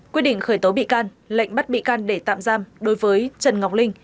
quyết định khởi tố bị can lệnh bắt bị can để tạm giam đối với trần ngọc linh